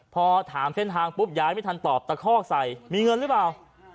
พอถามเส้นทางปุ๊บยายไม่ทันตอบตะคอกใส่มีเงินหรือเปล่า